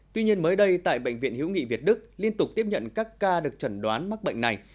tuy nhiên mới đây tại bệnh viện hiếu nghị việt đức liên tục tiếp nhận các ca được chẩn đoán mắc bệnh này